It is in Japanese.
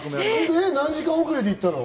何時間くらいで行ったの？